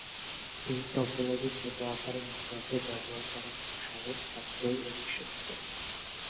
এ topology ছোট আকারের নেটওয়ার্কে ব্যবহার খুব সহজ, সাশ্রয়ী ও বিশ্বস্ত।